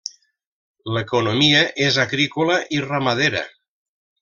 L'economia és agrícola i ramadera.